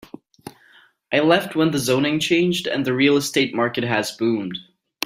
I left when the zoning changed and the real estate market has boomed.